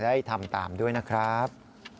ได้ทำตามด้วยนะครับ